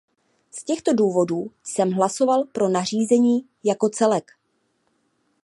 Z těchto důvodů jsem hlasoval pro nařízení jako celek.